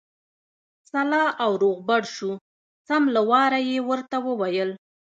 سلا او روغبړ شو، سم له واره یې ورته وویل.